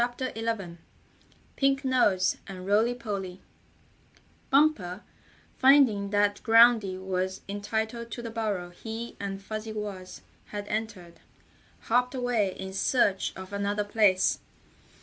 STORY XI PINK NOSE AND ROLLY POLLY Bumper, finding that Groundy was entitled to the burrow he and Fuzzy Wuzz had entered, hopped away in search of another place.